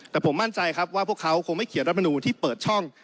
แต่ผมมั่นใจครับว่าพวกเขาคงไม่เขียนรัฐมนูลที่เปิดช่อง